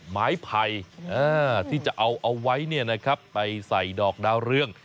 ไม้ไผ่ที่จะเอาเอาไว้ไปใส่ดอกดาวเรือง